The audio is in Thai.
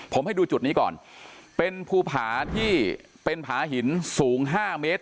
ผมให้ดูจุดนี้ก่อนเป็นภูผาที่เป็นผาหินสูง๕เมตร